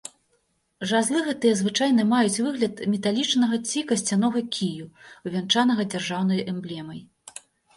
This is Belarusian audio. Жазлы гэтыя звычайна маюць выгляд металічнага ці касцянога кію, увянчанага дзяржаўнай эмблемай.